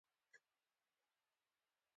پانکریاس هضم کې مرسته کوي.